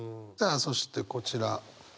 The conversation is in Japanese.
さあそしてこちら。